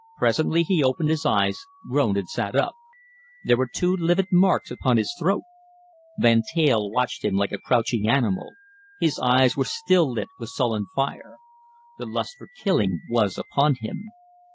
Presently he opened his eyes, groaned and sat up. There were two livid marks upon his throat. Van Teyl watched him like a crouching animal. His eyes were still lit with sullen fire. The lust for killing was upon him.